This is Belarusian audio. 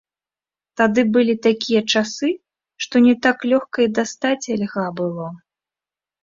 Тады былі такія часы, што не так лёгка і дастаць льга было.